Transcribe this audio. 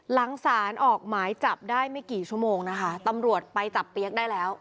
หลังสารออกหมายจับได้ไม่กี่ชั่วโมงนะคะตำรวจไปจับเปี๊ยกได้แล้ว